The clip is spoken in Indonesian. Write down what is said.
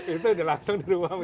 itu udah langsung di rumah misalnya